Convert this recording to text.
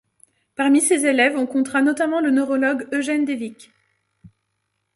Parmi ses élèves on comptera notamment le neurologue Eugène Devic.